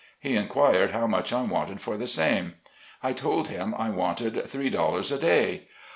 He inquired how much I wanted for the same. I told him I wanted three dollars a day.